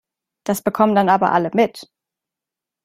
Das bekommen dann aber alle mit.